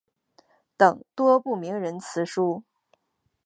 等多部名人辞书。